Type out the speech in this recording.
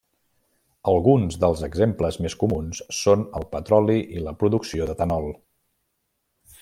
Alguns dels exemples més comuns són el petroli, i la producció d'etanol.